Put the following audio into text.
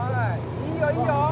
いいよ、いいよ！